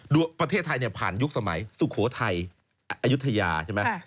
ประเทศไทยผ่านยุคสมัยสุโขทัยอายุทยาใช่ไหม